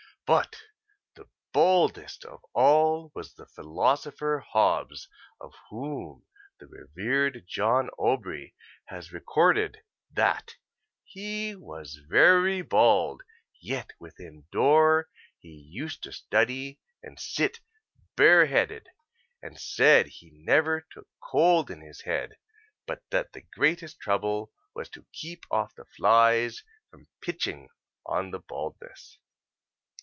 But the baldest of all was the philosopher Hobbes, of whom the revered John Aubrey has recorded that "he was very bald, yet within dore he used to study and sitt bare headed, and said he never took cold in his head, but that the greatest trouble was to keepe off the flies from pitching on the baldness."